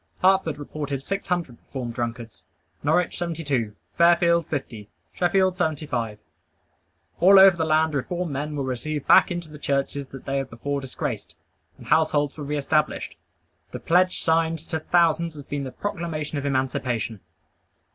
Hartford reported six hundred reformed drunkards; Norwich, seventy two; Fairfield, fifty; Sheffield, seventy five. All over the land reformed men were received back into the churches that they had before disgraced; and households were re established. All up and down the land there were gratulations, and praise to God. The pledge signed, to thousands has been the proclamation of emancipation.